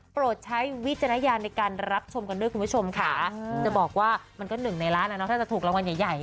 ใช้วิจารณญาณในการรับชมกันด้วยคุณผู้ชมค่ะจะบอกว่ามันก็หนึ่งในล้านถ้าจะถูกรางวัลใหญ่